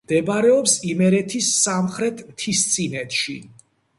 მდებარეობს იმერეთის სამხრეთ მთისწინეთში.